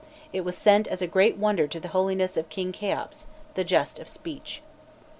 It was sent as a great wonder to the holiness of King Kheops, the just of speech."